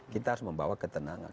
kita harus membawa ketenangan